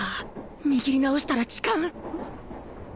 握り直したら痴漢ん？